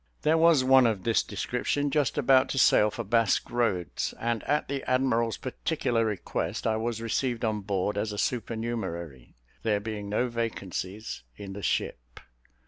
There was one of this description just about to sail for Basque Roads; and, at the admiral's particular request, I was received on board as a supernumerary, there being no vacancies in the ship.